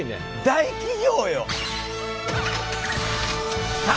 大企業よ！